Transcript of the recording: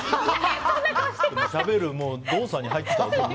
食べる動作に入ってた。